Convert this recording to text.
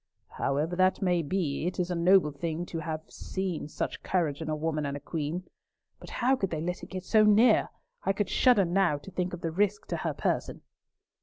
"However that may be, it is a noble thing to have seen such courage in a woman and a queen. But how could they let it go so near? I could shudder now to think of the risk to her person!"